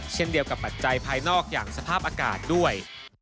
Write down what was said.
เช่นเดียวกับปัจจัยภายนอกอย่างสภาพอากาศด้วย